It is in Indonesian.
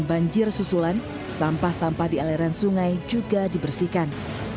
banjir susulan sampah sampah di aliran sungai juga dibersihkan